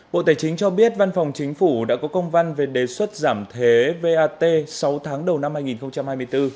bộ tài chính cho biết văn phòng chính phủ đã có công văn về đề xuất giảm thế vat sáu tháng đầu năm hai nghìn hai mươi bốn